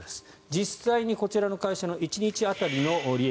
実際にこちらの会社の１日当たりの利益。